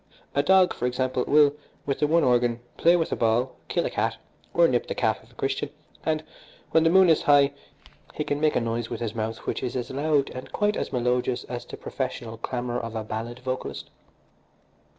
A dog, for example, will, with the one organ, play with a ball, kill a cat, or nip the calf of a Christian, and, when the moon is high, he can make a noise with his mouth which is as loud and quite as melodious as the professional clamour of a ballad vocalist.